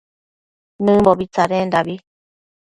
Nëmbobi tsadendabi